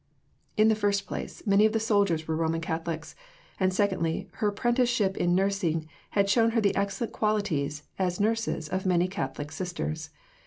In the first place, many of the soldiers were Roman Catholics; and, secondly, her apprenticeship in nursing had shown her the excellent qualities, as nurses, of many Catholic Sisters.